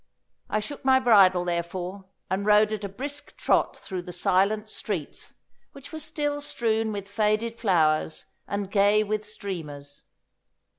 I shook my bridle, therefore, and rode at a brisk trot through the silent streets, which were still strewn with faded flowers and gay with streamers.